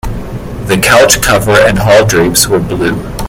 The couch cover and hall drapes were blue.